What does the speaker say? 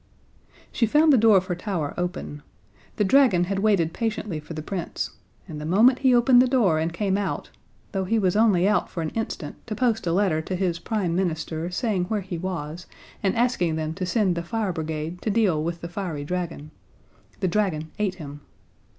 She found the door of her tower open. The dragon had waited patiently for the Prince, and the moment he opened the door and came out though he was only out for an instant to post a letter to his Prime Minister saying where he was and asking them to send the fire brigade to deal with the fiery dragon the dragon ate him.